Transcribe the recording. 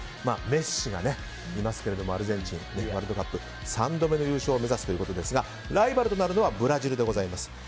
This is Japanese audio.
メッシがいますけれどもアルゼンチンワールドカップ３度目の優勝を目指すということですがライバルとなるのはブラジルでございます。